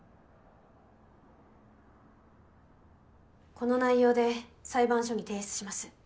この内容で裁判所に提出します。